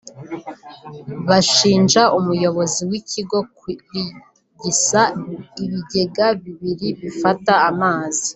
Bashinja umuyobozi w’Ikigo kurigisa ibigega bibiri bifata amazi